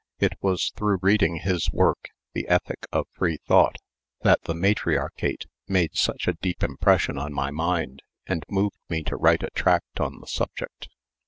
It was through reading his work, "The Ethic of Free Thought," that the Matriarchate made such a deep impression on my mind and moved me to write a tract on the subject.